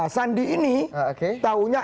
sandi ini tahunya